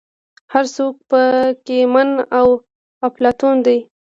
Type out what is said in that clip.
هر څوک په کې من او افلاطون دی.